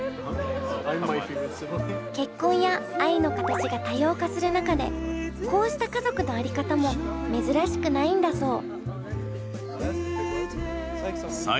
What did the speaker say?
結婚や愛の形が多様化する中でこうした家族の在り方も珍しくないんだそう。